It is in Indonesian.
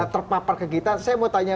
terpapar ke kita saya mau tanya